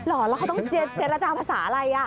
เหรอแล้วเขาต้องเจรจาภาษาอะไร